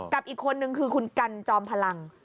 กับอีกคนนึงคือคุณกันจอมพลัง